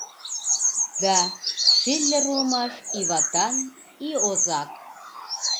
Да, Шиллер улмаш и ватан, и озак